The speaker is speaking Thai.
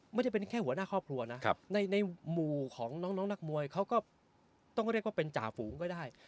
ไม่ได้เป็นแค่หัวหน้าครอบครัวนะในหมู่ของน้องนักมวยเขาก็ต้องเรียกว่าเป็นจ่าฝูงก็ได้